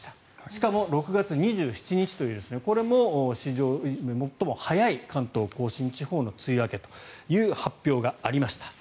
しかも６月２７日というこれも史上最も早い関東・甲信地方の梅雨明けという発表がありました。